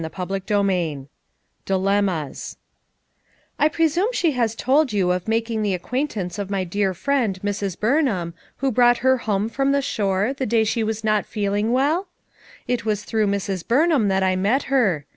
CHAPTER XVHI DILEMMA J< I presume she has told you of making the acquaintance of my dear friend Mrs. Burnham who brought her home from the shore the day she was not feeling well? It was through Mrs. Burnham that I met her.